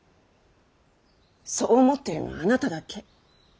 そう思っているのはあなただけ。